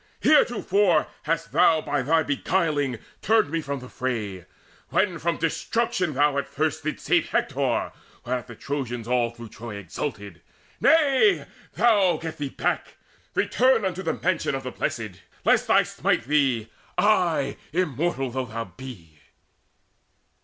Heretofore hast thou By thy beguiling turned me from the fray, When from destruction thou at the first didst save Hector, whereat the Trojans all through Troy Exulted. Nay, thou get thee back: return Unto the mansion of the Blessed, lest I smite thee ay, immortal though thou be!"